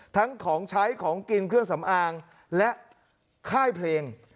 ทั้งของใช้ของกินเครื่องสำอางและค่ายเพลง